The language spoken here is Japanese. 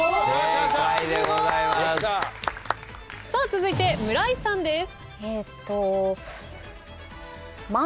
続いて村井さんです。